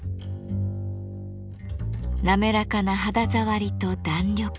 滑らかな肌触りと弾力。